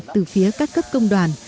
từ phía các cấp công đoàn